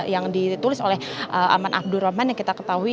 yang ditulis oleh aman abdur rahman yang kita ketahui